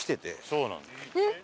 そうなんですよ。